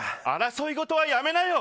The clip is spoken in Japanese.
争いごとはやめなよ！